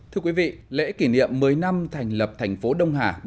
thưa quý vị lễ kỷ niệm một mươi năm thành lập thành phố đông hà